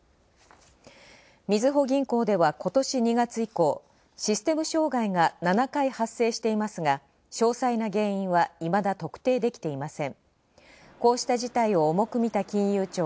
みずほ銀行では、今年２月以降、システム障害が７回発生していますが、詳細な原因はまだ特定できていません。